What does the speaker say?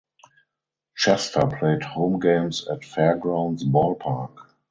Chester played home games at Fairgrounds Ball Park.